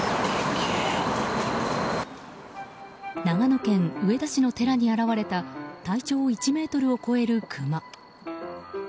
長野県上田市の寺に現れた体長１ｍを超えるクマ。